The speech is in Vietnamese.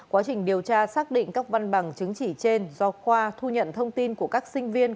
quá trình điều tra xác định các văn bằng chứng chỉ trên do khoa thu nhận thông tin của các sinh viên